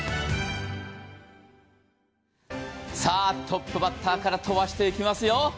トップバッターから飛ばしていきますよ。